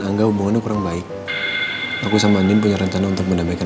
angga hubungannya kurang baik aku sama andin punya rencana untuk mendamaikan